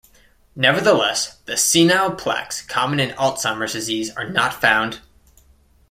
Nevertheless, the senile plaques common in Alzheimer's disease are not found.